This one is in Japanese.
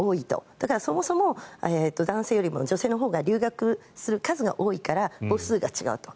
だから、そもそも男性よりも女性のほうが留学する数が多いから母数が違うと。